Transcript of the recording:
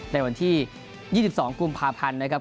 ในวันที่๒๒กุมภาพันธ์นะครับ